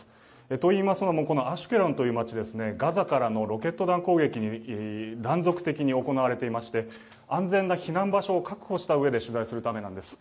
といいますのも、このアシュケロンという街、ガザからのロケット弾攻撃が断続的に行われていまして安全な避難場所を確保死したうえで取材するためなんです。